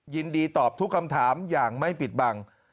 ยินดีตอบทุกคำถามอย่างไม่ปิดบัง